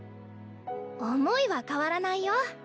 思いは変わらないよ。